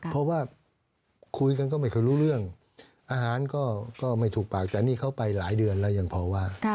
เพราะว่าคุยกันก็ไม่เคยรู้เรื่องอาหารก็ไม่ถูกปากแต่นี่เขาไปหลายเดือนแล้วยังพอว่า